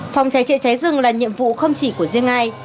phòng cháy chữa cháy rừng là nhiệm vụ không chỉ của riêng ai